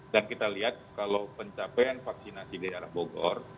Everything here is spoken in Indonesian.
dan kita lihat kalau pencapaian vaksinasi di daerah bogor